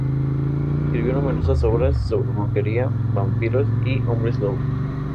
Escribió numerosas obras sobre brujería, vampiros y hombres-lobo.